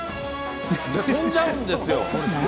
飛んじゃうんですよ。